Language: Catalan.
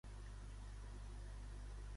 Teseu va agredir sexualment la filla de Sinis?